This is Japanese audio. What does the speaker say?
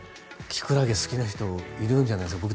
キクラゲ好きな人いるんじゃないですか。